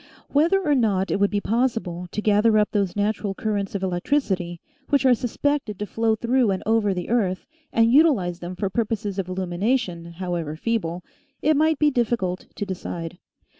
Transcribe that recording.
Whether or not it would be possible to gather up those natural currents of electricity, which are suspected to flow through and over the earth, and utilize them for purposes of illumination, however feeble, it might be difficult to decide.